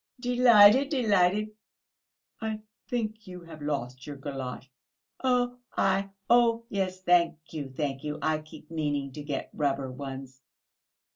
"Delighted, delighted!..." "I think you have lost your galosh...." "I oh, yes, thank you, thank you. I keep meaning to get rubber ones."